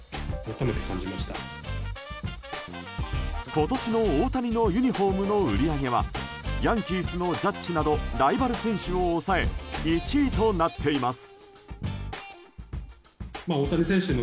今年の大谷のユニホームの売り上げはヤンキースのジャッジなどライバル選手を抑え１位となっています。